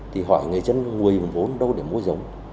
thì hỏi người dân nguồn vốn đâu để mua giống